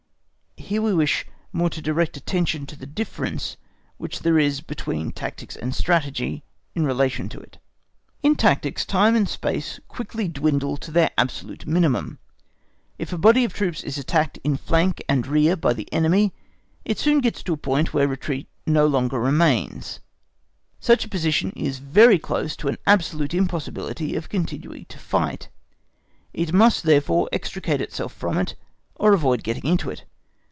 Here we wish more to direct attention to the difference which there is between tactics and Strategy in relation to it. In tactics time and space quickly dwindle to their absolute minimum. If a body of troops is attacked in flank and rear by the enemy, it soon gets to a point where retreat no longer remains; such a position is very close to an absolute impossibility of continuing the fight; it must therefore extricate itself from it, or avoid getting into it.